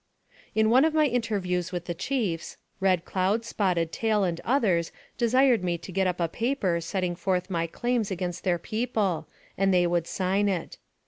In one of my interviews with the chiefs, Red Cloud, Spotted Tail, and others desired me to get up a paper setting forth my claims against their people, and they would sign it.